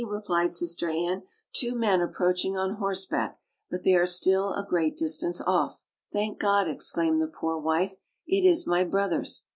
"I see," replied Sister Anne, "two men approaching on horseback; but they are still a great distance off." "Thank God!" exclaimed the poor wife, "it is my brothers."